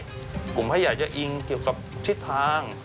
เพราะว่าอยากจะอิงเกี่ยวกับทิศทาง